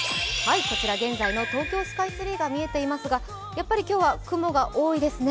こちら現在の東京スカイツリーが見えていますがやはり今日は雲が多いですね。